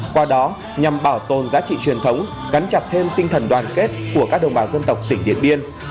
qua đó nhằm bảo tồn giá trị truyền thống gắn chặt thêm tinh thần đoàn kết của các đồng bào dân tộc tỉnh điện biên